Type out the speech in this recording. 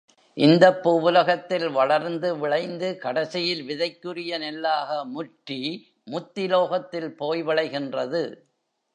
இந்தப் பூவுலகத்தில் வளர்ந்து விளைந்து கடைசியில் விதைக்குரிய நெல்லாக முற்றி முத்தி லோகத்தில் போய் விளைகின்றது.